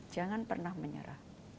jangan pernah menyerah